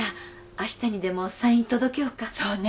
明日にでも産院に届けようかそうね